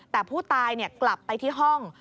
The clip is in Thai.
แต่ผู้ตายกลับไปที่ห้อง